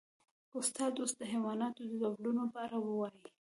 استاده اوس د حیواناتو د ډولونو په اړه ووایئ